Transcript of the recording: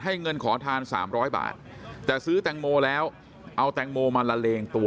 ให้เงินขอทานสามร้อยบาทแต่ซื้อตางโมแล้วเอาตางโมมาละเลงตัว